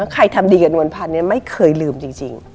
ใครทำดีกับนวลพันธ์ไม่เคยลืมจริง